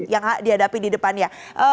yang dihadapi di depannya